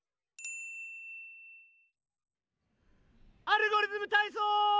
「アルゴリズムたいそう」！